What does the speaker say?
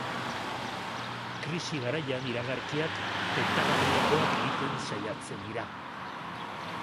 Krisi garaian iragarkiak tentagarriagoak egiten saiatzen dira.